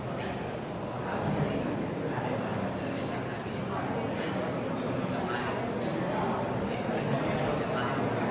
สวัสดีครับสวัสดีครับ